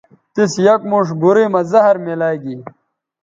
تِس یک موݜ گورئ مہ زہر میلاگی